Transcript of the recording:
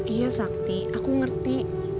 iya sakti aku ngerti